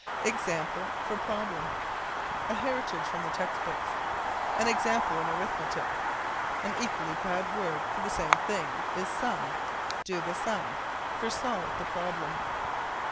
Example for Problem. A heritage from the text books. "An example in arithmetic." An equally bad word for the same thing is "sum": "Do the sum," for Solve the problem.